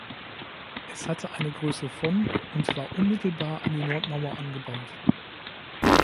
Es hatte eine Größe von und war unmittelbar an die Nordmauer angebaut.